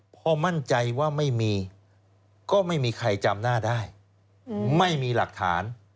พอมั่นใจว่าไม่มีก็ไม่มีใครจำหน้าได้ไม่มีหลักฐาน